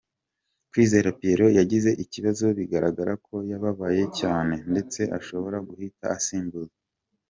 ' Kwizera Pierrot yagize ikibazo bigaragara ko yababaye cyane ndetse ashobora guhita asimbuzwa.